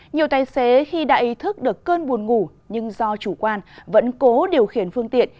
nhiều tài xế khi đã ý thức được cơn buồn ngủ nhưng do chủ quan vẫn cố điều khiển phương tiện